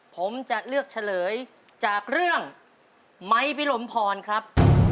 ผมจะเลือกเฉลยจากเรื่องไม้พิรมพรครับ